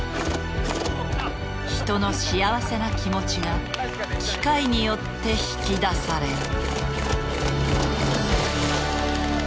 人の幸せな気持ちが機械によって引き出される。